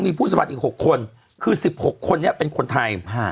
มีผู้สัมผัสอีกหกคนคือสิบหกคนเนี่ยเป็นคนไทยฮะ